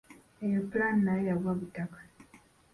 Eyo pulani nayo yagwa butaka.